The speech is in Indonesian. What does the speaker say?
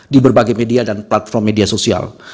di berbagai media dan platform media sosial